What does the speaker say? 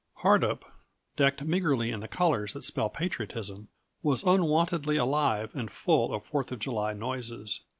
Hardup, decked meagrely in the colors that spell patriotism, was unwontedly alive and full of Fourth of July noises.